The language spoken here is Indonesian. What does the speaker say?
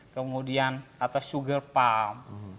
kemudian ada sugar palm